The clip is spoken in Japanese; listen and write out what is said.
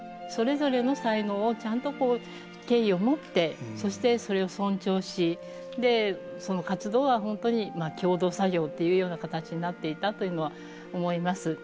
それぞれの才能をちゃんと敬意を持ってそしてそれを尊重しその活動は本当に共同作業というような形になっていたというのは思います。